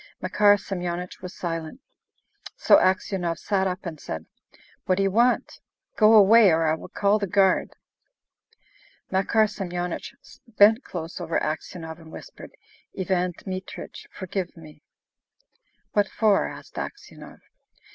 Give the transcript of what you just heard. Makar Semyonich was silent. So Aksionov sat up and said, "What do you want? Go away, or I will call the guard!" Makar Semyonich bent close over Aksionov, and whispered, "Ivan Dmitrich, forgive me!" "What for?" asked Aksionov.